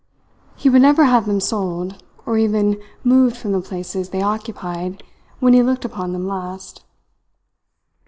He would never have them sold, or even moved from the places they occupied when he looked upon them last.